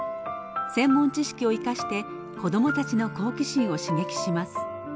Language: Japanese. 専門知識を生かして子どもたちの好奇心を刺激します。